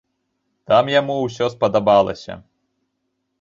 Там яму ўсё спадабалася.